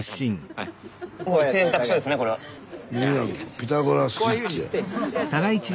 ピタゴラスイッチや。